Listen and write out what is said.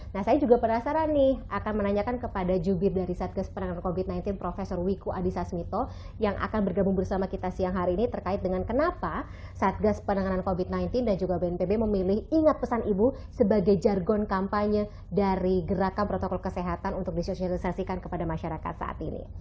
nah saya juga penasaran nih akan menanyakan kepada jubir dari satgas penanganan covid sembilan belas prof wiku adhisa smito yang akan bergabung bersama kita siang hari ini terkait dengan kenapa satgas penanganan covid sembilan belas dan juga bnpb memilih ingat pesan ibu sebagai jargon kampanye dari gerakan protokol kesehatan untuk disosialisasikan kepada masyarakat saat ini